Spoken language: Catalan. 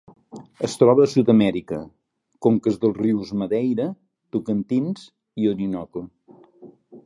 Es troba a Sud-amèrica: conques dels rius Madeira, Tocantins i Orinoco.